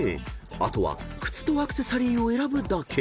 ［あとは靴とアクセサリーを選ぶだけ］